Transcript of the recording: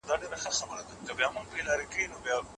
کوڅه او چاپیریال مو پاک وساتئ.